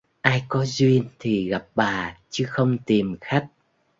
Ai có duyên thì gặp bà chứ không tìm khách